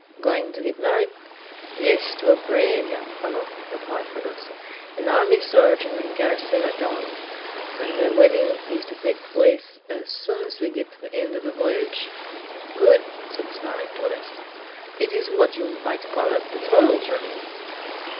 "Going to get married?" "Yes, to a brave young fellow," replied Fragoso "an army surgeon in garrison at Belem, and the wedding is to take place as soon as we get to the end of the voyage." "Good!" said the smiling Torres; "it is what you might call a betrothal journey."